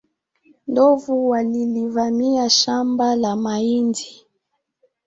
Ndovu walilivamia shamba la mahindi